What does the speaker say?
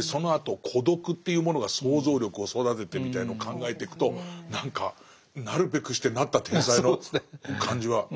そのあと孤独っていうものが想像力を育ててみたいのを考えていくと何かなるべくしてなった天才の感じは。